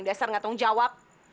dasar gak tau jawab